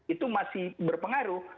itu masih berpengaruh